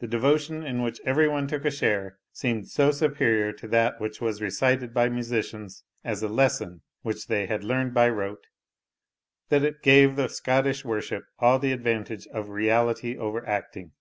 The devotion in which every one took a share seemed so superior to that which was recited by musicians as a lesson which they had learned by rote, that it gave the Scottish worship all the advantage of reality over acting.